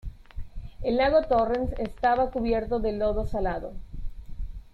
El Lago Torrens estaba cubierto de lodo salado.